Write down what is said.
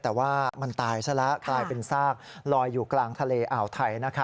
แต่ว่ามันตายซะแล้วกลายเป็นซากลอยอยู่กลางทะเลอ่าวไทย